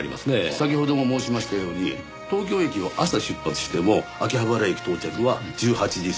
先ほども申しましたように東京駅を朝出発しても秋葉原駅到着は１８時過ぎ。